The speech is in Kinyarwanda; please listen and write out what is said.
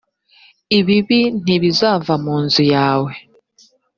ibibi ntibizava mu nzu yawe